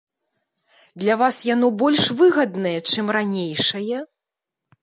Для вас яно больш выгаднае, чым ранейшае?